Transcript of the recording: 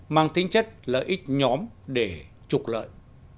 mang tính chất lợi ích nhóm để trục lợi